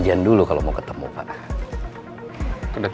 jadi kita harus berhati hati